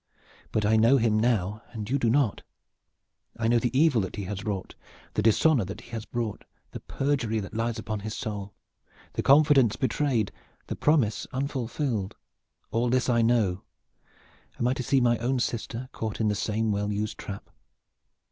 But I know him now, and you do not. I know the evil that he has wrought, the dishonor that he has brought, the perjury that lies upon his soul, the confidence betrayed, the promise unfulfilled all this I know. Am I to see my own sister caught in the same well used trap?